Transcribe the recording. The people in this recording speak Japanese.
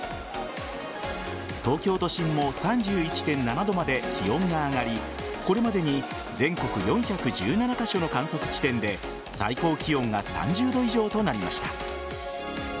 東京都心も３１．７度まで気温が上がりこれまでに全国４１７カ所の観測地点で最高気温が３０度以上となりました。